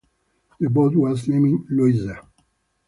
The boat was named "Louisa".